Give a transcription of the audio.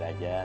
udah gitu aja